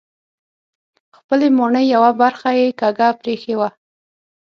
خپلې ماڼۍ یوه برخه یې کږه پرېښې وه.